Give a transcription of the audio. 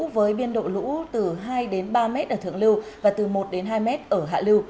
với biên độ lũ từ hai ba m ở thượng lưu và từ một hai m ở hạ lưu